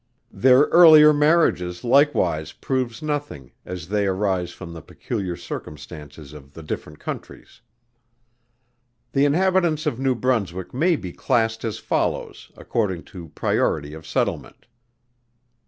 Their earlier marriages likewise proves nothing as they arise from the peculiar circumstances of the different countries. The inhabitants of New Brunswick may be classed as follows according to priority of settlement.